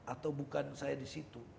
atau bukan saya di situ